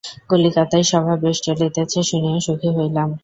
কলিকাতায় সভা বেশ চলিতেছে শুনিয়া সুখী হইলাম।